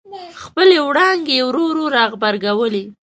خپلې وړانګې یې ورو ورو را غبرګولې.